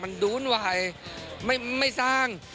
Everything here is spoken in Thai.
มันดูนวายไม่สร้าง